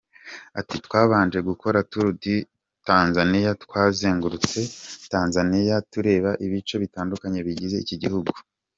Ati: “Twabanje gukora tour de Tanzaniya, twazengurutse Tanzaniya tureba ibice bitandukanye bigize iki gihugu.